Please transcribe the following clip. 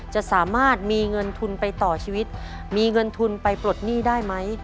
จะสามารถมีเงินทุนไปต่อชีวิตมีเงินทุนไปปลดหนี้ได้ไหม